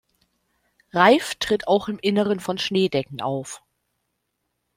Reif tritt auch im Inneren von Schneedecken auf.